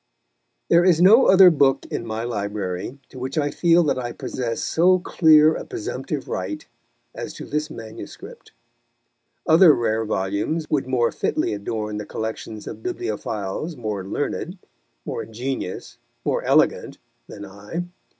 There is no other book in my library to which I feel that I possess so clear a presumptive right as to this manuscript. Other rare volumes would more fitly adorn the collections of bibliophiles more learned, more ingenious, more elegant, than I.